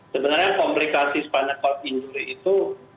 sebenarnya komplikasi spinal cord injury itu